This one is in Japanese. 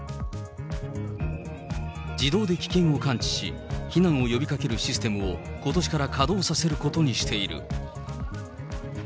自動で危険を感知し、避難を呼びかけるシステムを、ことしから稼働させることにしている。